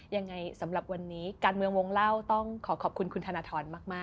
ยังไงสำหรับวันนี้การเมืองวงเล่าต้องขอขอบคุณคุณธนทรมาก